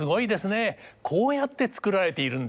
こうやって作られているんですね！